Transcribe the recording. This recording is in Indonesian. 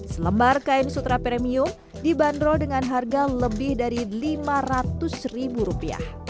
selembar kain sutra premium dibanderol dengan harga lebih dari rp lima ratus